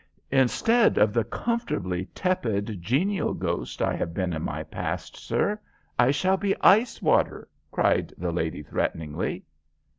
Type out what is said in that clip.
Instead of the comfortably tepid, genial ghost I have been in my past, sir, I shall be iced water," cried the lady, threateningly.